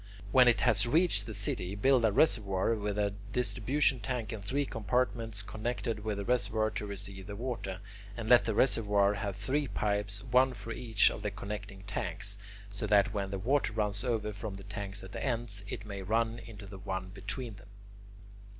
When it has reached the city, build a reservoir with a distribution tank in three compartments connected with the reservoir to receive the water, and let the reservoir have three pipes, one for each of the connecting tanks, so that when the water runs over from the tanks at the ends, it may run into the one between them.